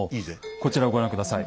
こちらをご覧下さい。